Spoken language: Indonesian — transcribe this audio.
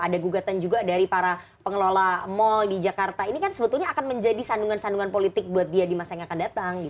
ada gugatan juga dari para pengelola mal di jakarta ini kan sebetulnya akan menjadi sandungan sandungan politik buat dia di masa yang akan datang